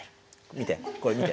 見てこれ見て。